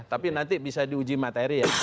tapi nanti bisa diuji materi ya